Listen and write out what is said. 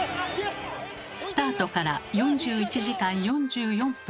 スタートから４１時間４４分